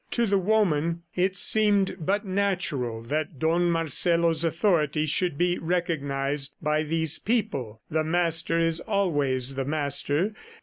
To the woman it seemed but natural that Don Marcelo's authority should be recognized by these people; the master is always the master.